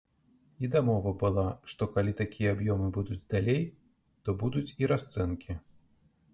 І дамова была, што калі такія аб'ёмы будуць далей, то будуць і расцэнкі.